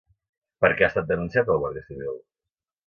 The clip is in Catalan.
Per què ha estat denunciat el Guàrdia Civil?